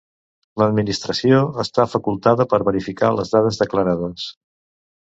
L'Administració està facultada per verificar les dades declarades.